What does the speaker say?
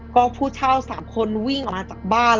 ก็ผู้เช่า๓คนวิ่งออกมาจากบ้าน